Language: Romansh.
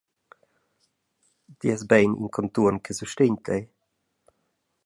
Ti has bein in contuorn che sustegn tei?